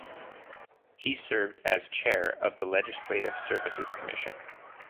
He served as Chair of the Legislative Services Commission.